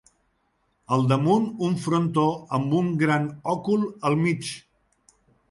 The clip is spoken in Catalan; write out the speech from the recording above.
Al damunt un frontó amb un gran òcul al mig.